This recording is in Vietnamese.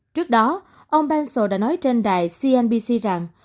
trước đó ông benso đã nói trên đài cnbc rằng